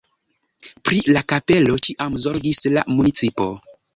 Pri la kapelo ĉiam zorgis la municipo.